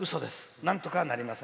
なんとかなりません。